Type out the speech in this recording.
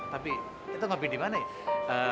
tapi itu ngopi di mana ya